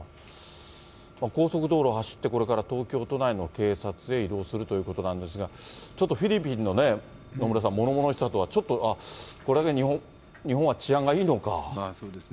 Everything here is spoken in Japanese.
高速道路走って、これから東京都内の警察へ移動するということなんですが、ちょっとフィリピンのね、野村さん、ものものしさとはちょっと、あっ、そうですね。